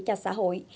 cho xã hội